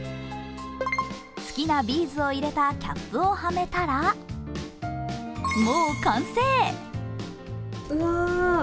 好きなビーズを入れたキャップをはめたらもう完成。